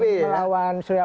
berdukung sbi ya